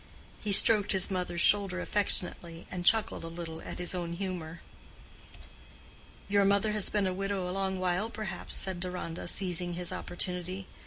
He stroked his mother's shoulder affectionately, and chuckled a little at his own humor. "Your mother has been a widow a long while, perhaps," said Deronda, seizing his opportunity.